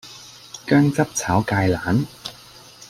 薑汁炒芥蘭